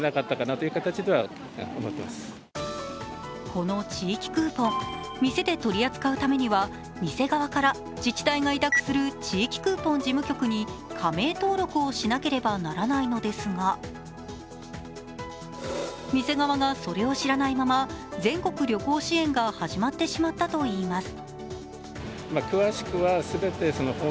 この地域クーポン、店で取り扱うためには店側から自治体が委託する地域クーポン事務局に加盟登録をしなければならないのですが店側がそれを知らないまま全国旅行支援が始まってしまったといいます。